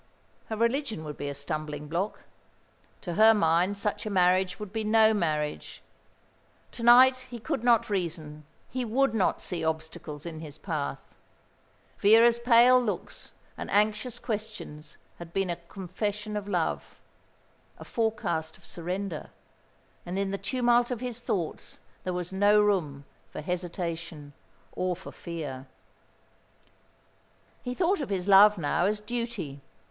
Her religion would be a stumbling block. To her mind such a marriage would be no marriage. To night he could not reason, he would not see obstacles in his path. Vera's pale looks and anxious questions had been a confession of love, a forecast of surrender; and in the tumult of his thoughts there was no room for hesitation or for fear. He thought of his love now as duty.